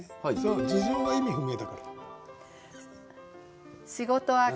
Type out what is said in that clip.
事情が意味不明だから。